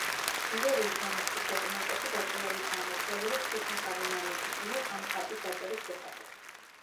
ივერიის მონასტრის დოკუმენტებში დაწვრილებითაა მოთხრობილი ღვთისმოსავი მამების მიერ ამ ხატის დაწერის შესახებ.